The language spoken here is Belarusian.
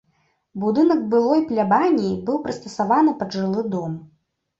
Будынак былой плябаніі быў прыстасаваны пад жылы дом.